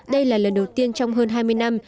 đây là lần đầu tiên trong hơn hai mươi năm